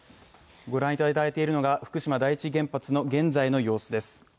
ご覧いただいているのが、福島第一原発の現在の様子です